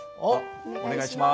お願いします。